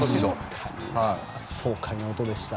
爽快な音でした。